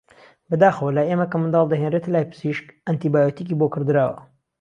بەداخەوە لای ئێمە کە منداڵ دەهێنرێتە لای پزیشک ئەنتی بایۆتیکی بۆ کڕدراوە